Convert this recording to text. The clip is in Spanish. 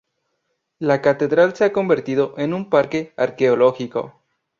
La Catedral se ha convertido en un parque arqueológico.